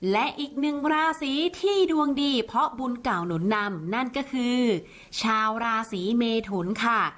และอีกหนึ่งราศีที่ดวงดีเพราะบุญเก่าหนุนนำนั่นก็คือชาวราศีเมทุนค่ะ